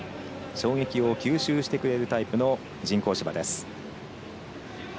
衝撃を吸収してくれるタイプの人工芝です。